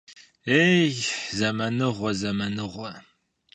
Ей, зэманыгъуэ, зэманыгъуэ!